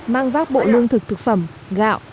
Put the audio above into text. mang vác bộ lương thực thực phẩm gạo